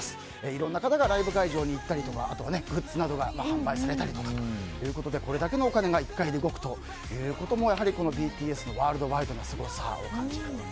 いろんな方がライブ会場に行ったりとかグッズなどが販売されたりということでこれだけのお金が１回で動くということもやはりＢＴＳのワールドワイドなすごさを感じますね。